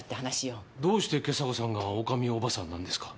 どうして今朝子さんが狼おばさんなんですか？